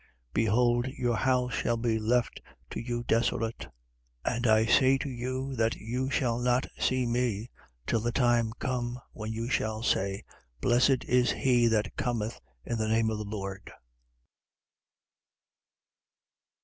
13:35. Behold your house shall be left to you desolate. And I say to you that you shall not see me till the time come when you shall say: Blessed is he that cometh in the name of the Lord.